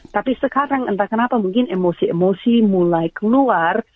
tapi sekarang entah kenapa mungkin emosi emosi mulai keluar